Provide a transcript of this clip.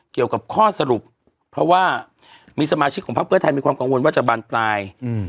เกี่ยวกับข้อสรุปเพราะว่ามีสมาชิกของพักเพื่อไทยมีความกังวลว่าจะบานปลาย